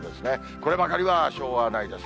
こればかりはしょうがないです。